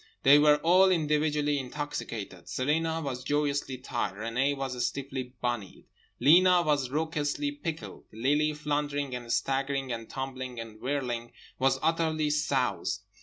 They were all individually intoxicated, Celina was joyously tight. Renée was stiffly bunnied. Lena was raucously pickled. Lily, floundering and staggering and tumbling and whirling was utterly soused.